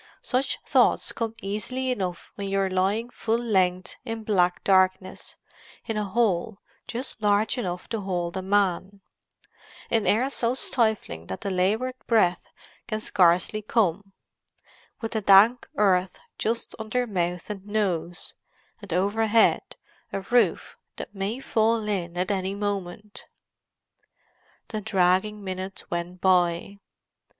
Such thoughts come easily enough when you are lying full length in black darkness, in a hole just large enough to hold a man; in air so stifling that the laboured breath can scarcely come; with the dank earth just under mouth and nose, and overhead a roof that may fall in at any moment. The dragging minutes went by.